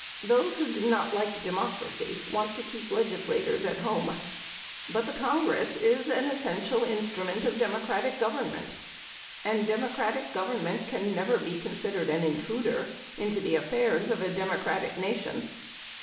Those who do not like democracy want to keep legislators at home. But the Congress is an essential instrument of democratic government; and democratic government can never be considered an intruder into the affairs of a democratic nation.